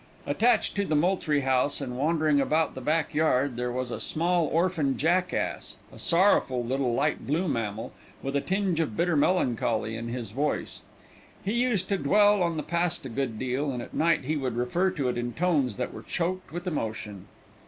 Attached to the Moultrie House, and wandering about the back yard, there was a small orphan jackass, a sorrowful little light blue mammal, with a tinge of bitter melancholy in his voice. He used to dwell on the past a good deal, and at night he would refer to it in tones that were choked with emotion.